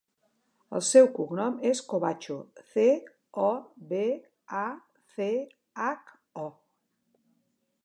El seu cognom és Cobacho: ce, o, be, a, ce, hac, o.